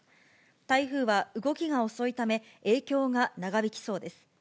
台風は動きが遅いため、影響が長引きそうです。